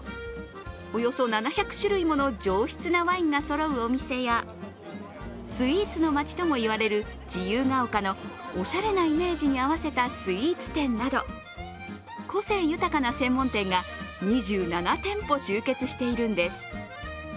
およそ７００種類もの上質なワインがそろうお店やスイーツの街とも言われる自由が丘のおしゃれなイメージに合わせたスイーツ店など個性豊かな専門店が２７店舗、集結しているんです。